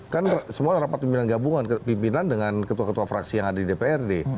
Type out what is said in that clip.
kan semua rapat pimpinan gabungan pimpinan dengan ketua ketua fraksi yang ada di dprd